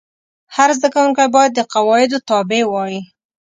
هر زده کوونکی باید د قواعدو تابع وای.